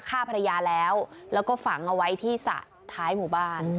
ฆ่าภรรยาแล้วแล้วก็ฝังเอาไว้ที่สระท้ายหมู่บ้าน